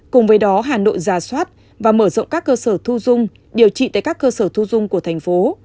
cùng với đó hà nội giả soát và mở rộng các cơ sở thu dung điều trị tại các cơ sở thu dung của thành phố